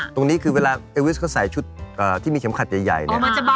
ตรงนี้คือเวลาเอวิสเขาใส่ชุดที่มีเข็มขัดใหญ่เนี่ย